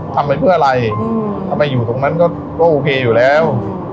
ทำไปเพื่ออะไรถ้าไปอยู่ตรงนั้นก็โอเคอยู่แล้ว